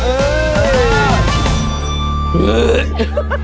อันที่นี่ล่ะ